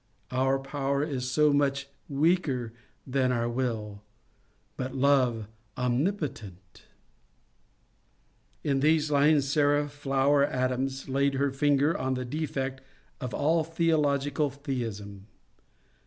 ... Our power is so much weaker than our will, — But Love omnipotent 1 In these lines Sarah Flower Adams laid her finger on the defect of all theological theism.